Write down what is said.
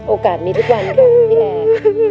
โอกาสมีทุกวันค่ะพี่แอร์